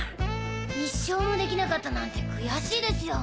１勝もできなかったなんてくやしいですよ！